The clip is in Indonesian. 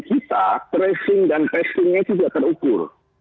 kita tracing dan testingnya tidak terukur